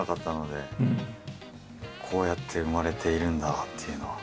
こうやって生まれているんだっていうのは。